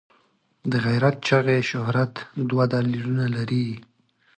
د غیرت چغې شهرت دوه دلیلونه لري.